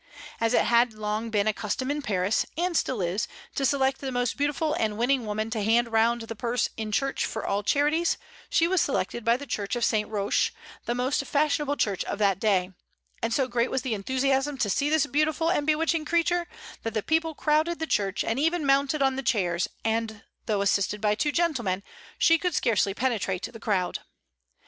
As it had long been a custom in Paris, and still is, to select the most beautiful and winning woman to hand round the purse in churches for all charities, she was selected by the Church of St. Roche, the most fashionable church of that day; and so great was the enthusiasm to see this beautiful and bewitching creature, that the people crowded the church, and even mounted on the chairs, and, though assisted by two gentlemen, she could scarcely penetrate the crowd.